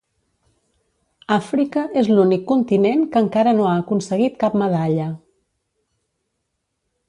Àfrica és l'únic continent que encara no ha aconseguit cap medalla.